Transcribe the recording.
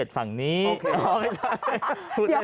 ไม่ใช่ชุดเล่น